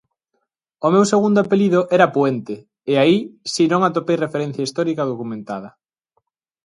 O meu segundo apelido era Puente e aí si non atopei referencia histórica documentada.